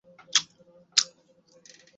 কিসের পাপ তোমাদের?